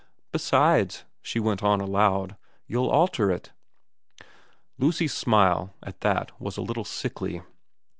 ' Besides,' she went on aloud, ' you'll alter it.' Lucy's smile at that was a little sickly.